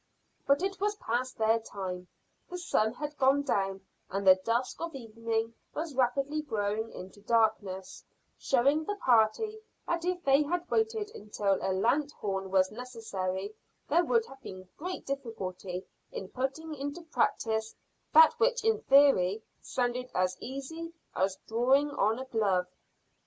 But it was past their time; the sun had gone down, and the dusk of evening was rapidly growing into darkness, showing the party that if they had waited until a lanthorn was necessary there would have been great difficulty in putting into practice that which in theory sounded as easy as drawing on a glove.